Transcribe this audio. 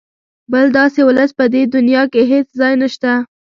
بل داسې ولس په دې دونیا کې هېڅ ځای نشته.